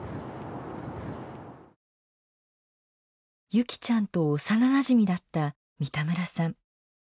優希ちゃんと幼なじみだった三田村さん。